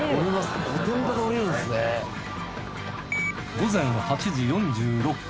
午前８時４６分。